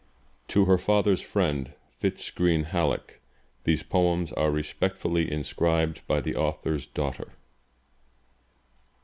TO HER FATHER'S FRIEND, FITZ GREENE HALLECK, THESE POEMS ARE RESPECTFULLY INSCRIBED, BY THE AUTHOR'S DAUGHTER.